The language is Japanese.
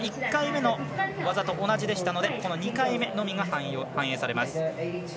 １回目の技と同じでしたので２回目のみが反映されます。